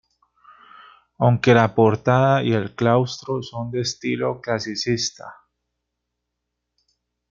Aunque la portada y el claustro son de estilo clasicista.